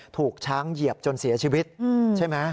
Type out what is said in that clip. ถูกช้างเหยียบจนเสียชีวิตใช่ไหม